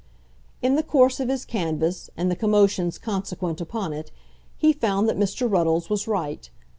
In the course of his canvass, and the commotions consequent upon it, he found that Mr. Ruddles was right.